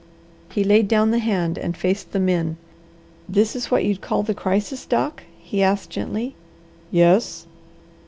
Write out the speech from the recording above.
He laid down the hand and faced the men. "This is what you'd call the crisis, Doc?" he asked gently. "Yes."